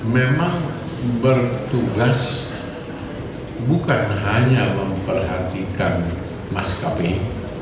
memang bertugas bukan hanya memperhatikan mas kapal ini